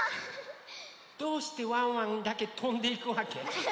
どうしてワンワンだけとんでいくわけ？